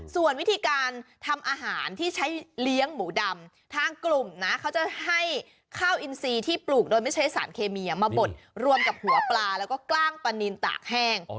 ส่วนวิธีการทำอาหารที่ใช้เลี้ยงหมูดำทางกลุ่มนะเขาจะให้ข้าวอินซีที่ปลูกโดยไม่ใช้สารเคมีมาบดรวมกับหัวปลาแล้วก็กล้างปลานินตากแห้ง